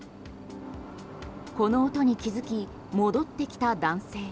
この音に気づき戻ってきた男性。